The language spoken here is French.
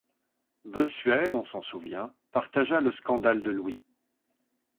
Bossuet, on s’en souvient, partagea le scandale de Louis